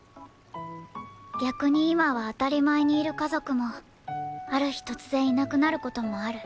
逆に今は当たり前にいる家族もある日突然いなくなる事もある。